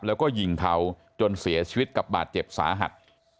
แล้วก็ยิงเขาจนเสียชีวิตกับบาดเจ็บสาหัส